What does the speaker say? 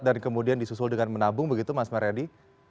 dan kemudian disusul dengan menabung begitu mas maryadi